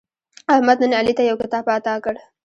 احمد نن علي ته یو کتاب اعطا کړ.